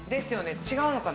違うのかな？